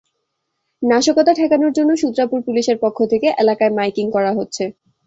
নাশকতা ঠেকানোর জন্য সূত্রাপুর পুলিশের পক্ষ থেকে এলাকায় মাইকিং করা হচ্ছে।